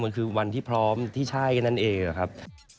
มันคือวันที่พร้อมที่ใช่แค่นั้นเองอะครับ